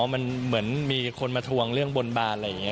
มันเหมือนมีคนมาทวงเรื่องบนบานอะไรอย่างนี้